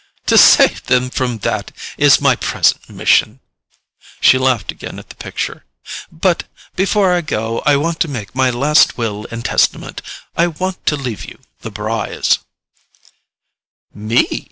To save them from that is my present mission." She laughed again at the picture. "But before I go I want to make my last will and testament—I want to leave you the Brys." "Me?"